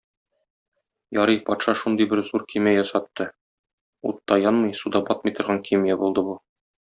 Ярый, патша шундый бер зур көймә ясатты: утта янмый, суда батмый торган көймә булды бу.